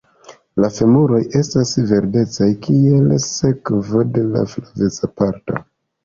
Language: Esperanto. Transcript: La femuroj estas verdecaj kiel sekvo de la flaveca parto.